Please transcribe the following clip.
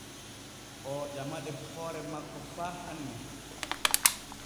Oo ƴamaɗe hoore makko faa hanne.